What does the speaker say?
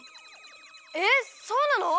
えっそうなの！？